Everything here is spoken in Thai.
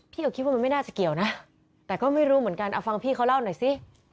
คิดว่ามันไม่น่าจะเกี่ยวนะแต่ก็ไม่รู้เหมือนกันเอาฟังพี่เขาเล่าหน่อยสิ